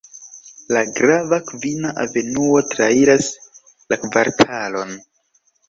La grava Kvina Avenuo trairas la kvartalon.